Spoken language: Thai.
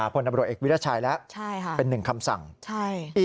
พลตำรวจเอกวิรัติชัยแล้วเป็น๑คำสั่งใช่ค่ะใช่